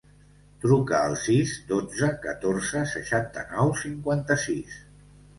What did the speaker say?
Truca al sis, dotze, catorze, seixanta-nou, cinquanta-sis.